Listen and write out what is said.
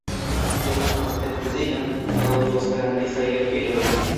Li havas edzinon kaj du esperantistajn gefilojn.